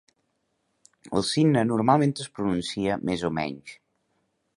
El signe normalment es pronuncia "més o menys".